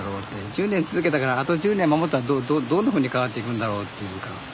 １０年続けたからあと１０年守ったらどんなふうに変わっていくんだろうっていうか。